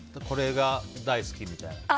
これが大好きみたいな。